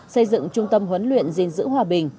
xây dựng trung tâm huấn luyện dình dữ hòa bình